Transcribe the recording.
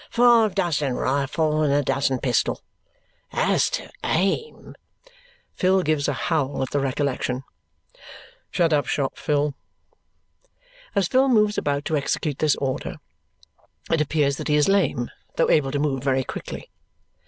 "Five dozen rifle and a dozen pistol. As to aim!" Phil gives a howl at the recollection. "Shut up shop, Phil!" As Phil moves about to execute this order, it appears that he is lame, though able to move very quickly.